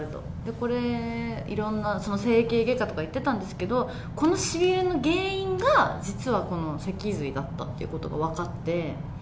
これ、いろんな、整形外科とか行ってたんですけど、このしびれの原因が、実はこの脊髄だったってことが分かって。